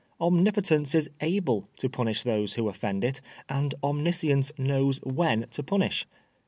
Omnipotence is aftfe to punish those who offend it, and Omniscience knows when to punish.